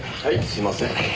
はいすみません。